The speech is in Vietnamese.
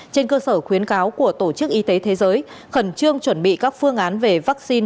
trên cơ sở khuyến cáo của tổ chức y tế thế giới khẩn trương chuẩn bị các phương án về vaccine